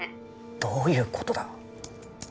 どういうことだ！？